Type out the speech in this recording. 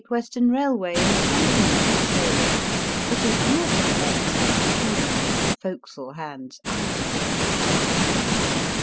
Western Railway in company with sailors, but had never met such seamen as the forecastle hands I depicted.